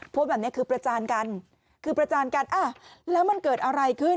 โพสต์แบบนี้คือประจานกันคือประจานกันอ่ะแล้วมันเกิดอะไรขึ้น